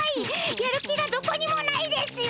やる気がどこにもないですよ！